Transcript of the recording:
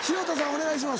お願いします。